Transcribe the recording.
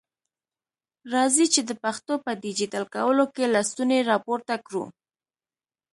راځئ چي د پښتو په ډيجيټل کولو کي لستوڼي را پورته کړو.